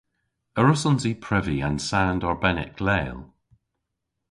A wrussons i previ an sand arbennik leel?